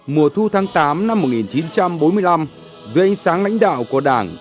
mùa thu tháng tám năm một nghìn chín trăm bốn mươi năm dưới ánh sáng lãnh đạo của đảng